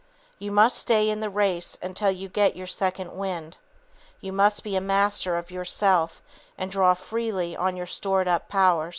You must stay in the race until you get your "second wind." You must be master of yourself and draw freely on your stored up powers.